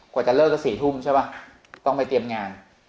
กว่าจะเลิกก็๔ทุ่มใช่ป่ะต้องไปเตรียมงาน